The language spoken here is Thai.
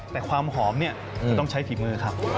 แต่ความหอมจะต้องใช้ผิดมือครับ